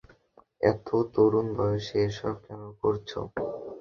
এত তরুণ বয়সে এসব কেন করছো?